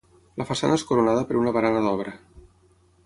La façana és coronada per una barana d'obra.